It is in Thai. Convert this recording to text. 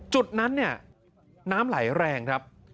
จุดนั้นน้ำไหลแรงครับ